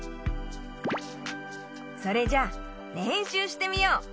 それじゃれんしゅうしてみよう。